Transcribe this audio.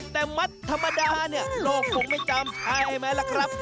แต่มัดธรรมดาเนี่ยโลกคงไม่จำใช่ไหมล่ะครับ